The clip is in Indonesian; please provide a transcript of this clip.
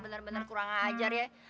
bener bener kurang ajar ye